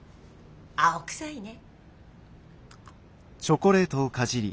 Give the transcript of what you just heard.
青臭いね。